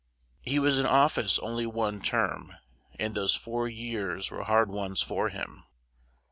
He was in of fice on ly one term; and those four years were hard ones for him.